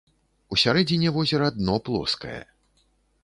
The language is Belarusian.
У сярэдзіне возера дно плоскае.